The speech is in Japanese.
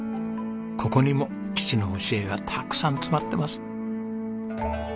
ここにも父の教えがたくさん詰まってます。